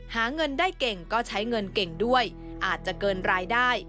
หาเงินได้เก่งก็ใช้เงินเก่งด้วยอาจจะเกินรายได้